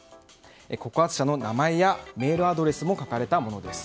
告発者の名前やメールアドレスも書かれたものです。